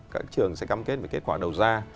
các trường sẽ cam kết về kết quả đầu ra